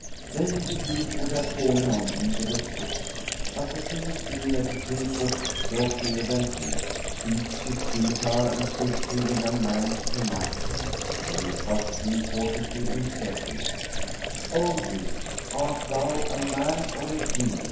Then the youth would have fallen on him with the sword; but the King seeing that the Prince was doughtier than he, sheathed his scymitar and stood till the young man came up to him, when he accosted him courteously and said to him, "O youth, art thou a man or a Jinni?"